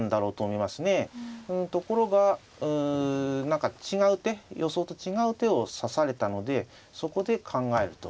ところがうん何か違う手予想と違う手を指されたのでそこで考えると。